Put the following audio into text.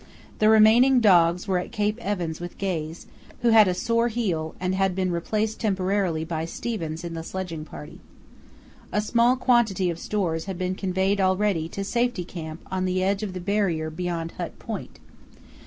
The remaining dogs were at Cape Evans with Gaze, who had a sore heel and had been replaced temporarily by Stevens in the sledging party. A small quantity of stores had been conveyed already to Safety Camp on the edge of the Barrier beyond Hut Point.